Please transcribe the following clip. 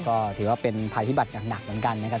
ก็ถือว่าเป็นภัยพิบัติอย่างหนักเหมือนกันนะครับ